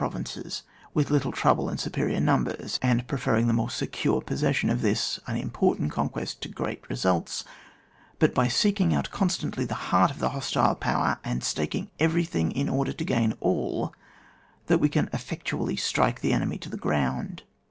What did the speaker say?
[book Tin provinces, with little trouble and sttperior numbers, and preferring^ the more secure possession of this unimportant conquest to great results, but by seeking out con stantly the heart of the hostile power, and staking everything in order to gain all, that we can effectually strike the enemy to the ground.